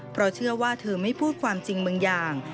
เพราะเชื่อว่าเธอไม่พูดความจริงบางอย่าง